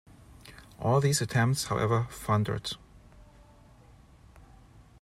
All these attempts, however, foundered.